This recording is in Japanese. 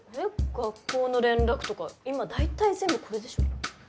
学校の連絡とか今大体全部これでしょ。